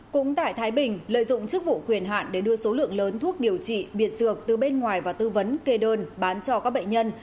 cũng tại thái bình lợi dụng chức vụ quyền hạn để đưa số lượng lớn thuốc điều trị biệt dược từ bên ngoài vào tư vấn kê đơn bán cho các bệnh nhân